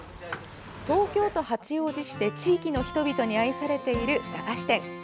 東京都八王子市で地域の人々に愛されている駄菓子店。